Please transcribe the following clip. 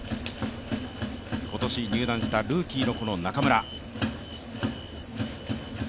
今年入団したルーキーの中村。